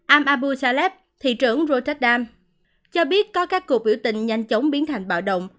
amabu saleh thị trưởng rotterdam cho biết có các cuộc biểu tình nhanh chóng biến thành bạo động